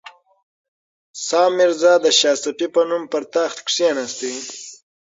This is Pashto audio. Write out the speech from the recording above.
سام میرزا د شاه صفي په نوم پر تخت کښېناست.